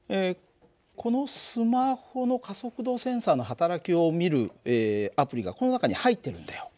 このスマホの加速度センサーの働きを見るアプリがこの中に入ってるんだよ。